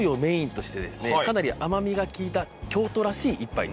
かなり甘みが利いた京都らしいものに。